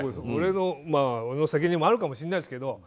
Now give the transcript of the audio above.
俺の責任もあるかもしれないですけど。